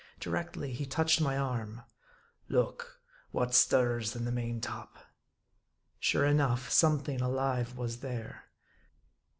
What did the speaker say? Directly, he touched my arm, " Look : what stirs in the , main top ?" Sure enough, something alive was there.